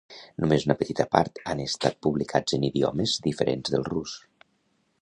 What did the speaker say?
Només una petita part han estat publicats en idiomes diferents del rus.